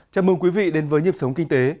chào mừng quý vị đến với nhịp sống kinh tế